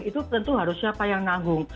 itu tentu harus siapa yang nanggung